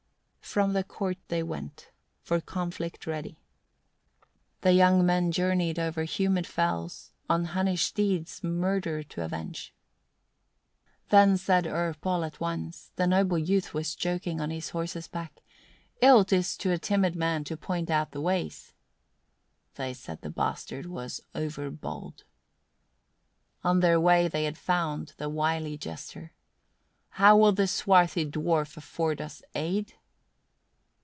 11. From the court they went, for conflict ready. The young men journeyed over humid fells, on Hunnish steeds, murder to avenge. 12. Then said Erp, all at once the noble youth was joking on his horse's back "Ill 'tis to a timid man to point out the ways." They said the bastard was over bold. 13. On their way they had found the wily jester. "How will the swarthy dwarf afford us aid?"